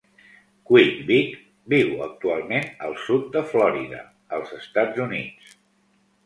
"Quick Vic" viu actualment al sud de Florida, als Estats Units.